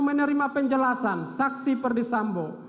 menerima penjelasan saksi perdisambo